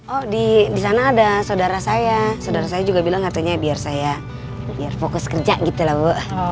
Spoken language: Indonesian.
oh di sana ada saudara saya saudara saya juga bilang katanya biar saya biar fokus kerja gitu lah bu